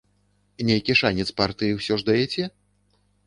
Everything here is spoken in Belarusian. Нейкі шанец партыі ўсё ж даяце?